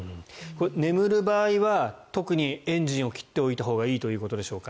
眠る場合は特にエンジンを切っておいたほうがいいということでしょうか。